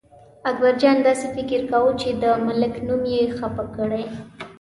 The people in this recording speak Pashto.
اکبرجان داسې فکر کاوه چې د ملک نوم یې خپه کړی.